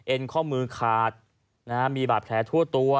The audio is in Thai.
เอ็นข้อมือขาดมีบาดแพ้ทั่วตัว